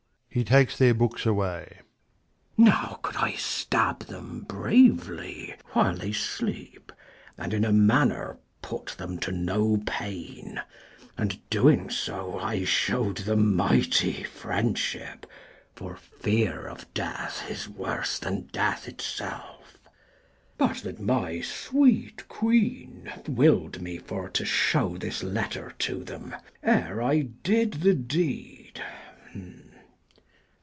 30 \_Hc takes their books away. r 60 KING LEIR AND [ACT IV Now could I stab them bravely, while they sleep, And in a manner put them to no pain ; And doing so, I shewed them mighty friendship : For fear of death is worse than death itself. But that my sweet queen will'd me for to shew 35 This letter to them, ere I did the deed.